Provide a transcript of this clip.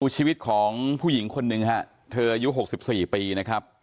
ชีวิตของผู้หญิงคนหนึ่งฮะเธออายุ๖๔ปีนะครับ